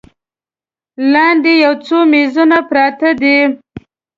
لاندې یو څو میزونه پراته دي.